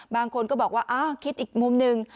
บางคนก็บอกว่าอ้าวคิดอีกมุมหนึ่ง